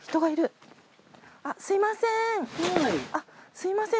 すみません